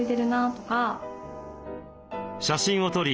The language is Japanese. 写真を撮り